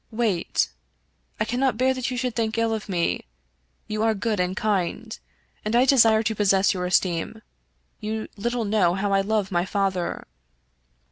" Wait. I cannot bear that you should think ill of me. You are good and kind, and I desire to possess your es teem. You little know how I love my father."